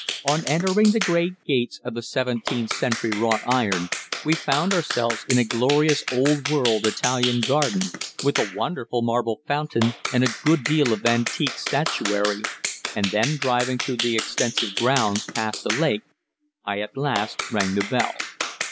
On entering the great gates of seventeenth century wrought iron, we found ourselves in a glorious old world Italian garden, with a wonderful marble fountain, and a good deal of antique statuary, and then driving through the extensive grounds past a lake I at last rang the bell.